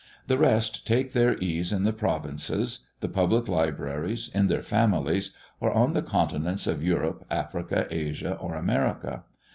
The rest take their ease in the provinces, the public libraries, in their families, or on the continents of Europe, Africa, Asia, or America.